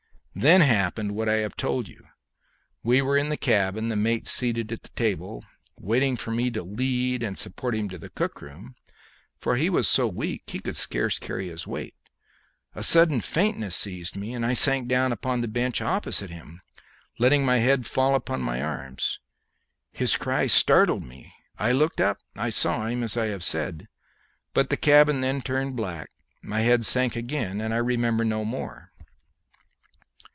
Then happened what I have told you. We were in the cabin, the mate seated at the table, waiting for me to lead and support him to the cook room, for he was so weak he could scarce carry his weight. A sudden faintness seized me, and I sank down upon the bench opposite him, letting my head fall upon my arms. His cry startled me I looked up saw him as I have said; but the cabin then turned black, my head sank again, and I remember no more."